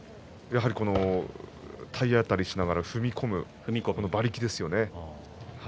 やはり体当たりしながら踏み込む馬力ですよね。